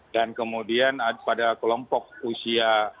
dan kemudian pada kelompok usia